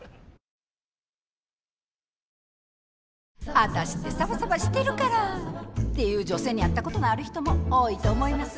「ワタシってサバサバしてるから」って言う女性に会ったことのある人も多いと思います。